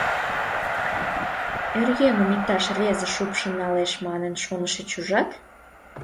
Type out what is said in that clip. Оръеҥым иктаж рвезе шупшын налеш манын шонышыч, ужат!..